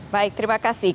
baik terima kasih